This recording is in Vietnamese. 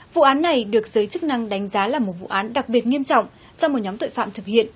vụ án này được giới chức năng đánh giá là một vụ án đặc biệt nghiêm trọng do một nhóm tội phạm thực hiện